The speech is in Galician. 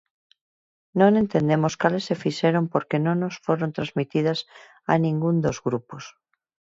Non entendemos cales se fixeron porque non nos foron transmitidas a ningún dos grupos.